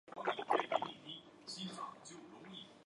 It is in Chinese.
以卢汝弼代为副使。